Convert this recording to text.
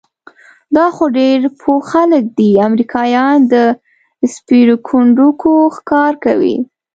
دا خو ډېر پوه خلک دي، امریکایان د سپېرکونډکو ښکار کوي؟